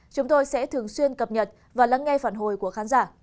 chúng tôi sẽ thường xuyên cập nhật và lắng nghe phản hồi của khán giả